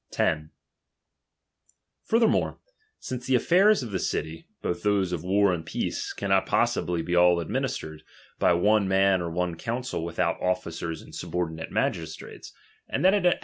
10. Furthermore, since the affairs of the city, Thatthen t>oth those of war and peace, cannot possibly be all LdXca ^ dministered by one man or one council without '™^'"''^ *ifficers and subordinate magistrates ; and that it «*.